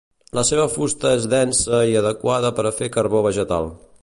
La seva fusta és densa i adequada per a fer carbó vegetal.